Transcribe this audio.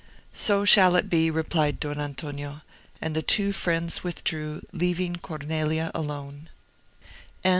"So shall it be," replied Don Antonio; and the two friends withdrew, leaving Cornelia alone.